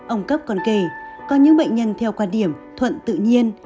ông cấp còn kể có những bệnh nhân theo quan điểm thuận tự nhiên